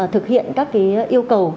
thực hiện các cái yêu cầu